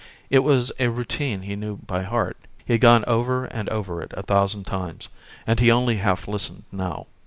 It was a routine he knew by heart. He had gone over and over it a thousand times, and he only half listened now.